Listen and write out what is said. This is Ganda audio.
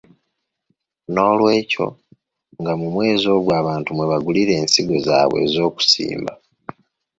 Noolwekyo nga mu mwezi ogwo abantu nga mwe bagulira ensigo zaabwe ez'okusimba.